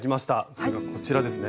それがこちらですね。